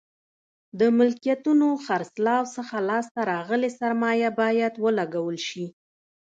د ملکیتونو خرڅلاو څخه لاس ته راغلې سرمایه باید ولګول شي.